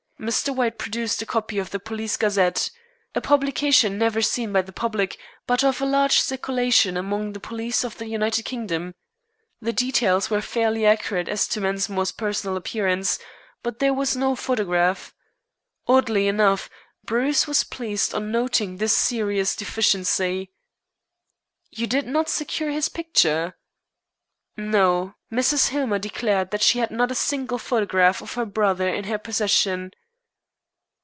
Mr. White produced a copy of the Police Gazette, a publication never seen by the public, but of a large circulation among the police of the United Kingdom. The details were fairly accurate as to Mensmore's personal appearance, but there was no photograph. Oddly enough, Bruce was pleased on noting this serious deficiency. "You did not secure his picture?" "No. Mrs. Hillmer declared that she had not a single photograph of her brother in her possession."